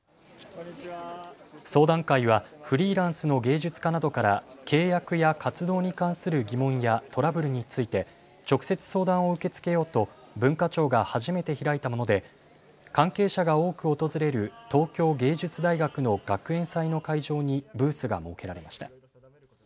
相談会はフリーランスの芸術家などから契約や活動に関する疑問やトラブルについて直接、相談を受け付けようと文化庁が初めて開いたもので関係者が多く訪れる東京藝術大学の学園祭の会場にブースが設けられました。